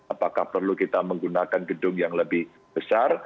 apakah perlu kita menggunakan gedung yang lebih besar